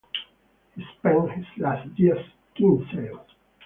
He spent his last years in Kinsale.